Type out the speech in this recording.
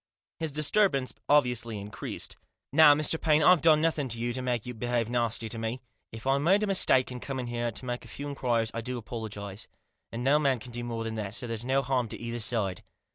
His disturbance obviously increased. " Now, Mr. Paine, I've done nothing to you to make you behave nasty to me. If I made a mistake in coming here to make a few inquiries I apologise, and no man can do more than that, so there's no harm done to either side."